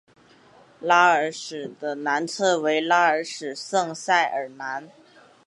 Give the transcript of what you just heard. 拉尔什的南侧为拉尔什圣塞尔南。